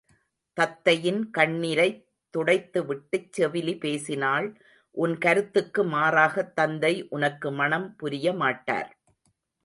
தத்தையின் கண்ணிரைத் துடைத்துவிட்டுச் செவிலி பேசினாள் உன் கருத்துக்கு மாறாகத் தந்தை உனக்கு மணம் புரியமாட்டார்.